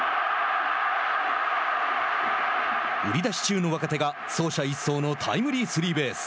売り出し中の若手が走者一掃のタイムリースリーベース。